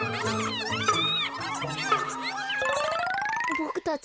ボクたち